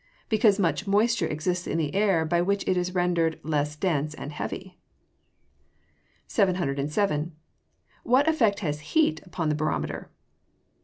_ Because much moisture exists in the air, by which it is rendered less dense and heavy. 707. _What effect has heat upon the barometer?